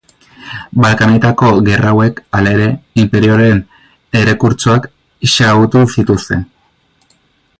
Balkanetako gerra hauek, hala ere, inperioaren errekurtsoak xahutu zituzten.